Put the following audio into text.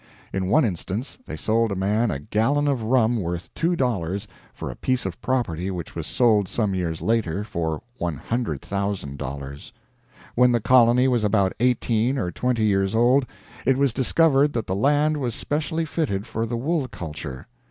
In one instance they sold a man a gallon of rum worth two dollars for a piece of property which was sold some years later for $100,000. When the colony was about eighteen or twenty years old it was discovered that the land was specially fitted for the wool culture.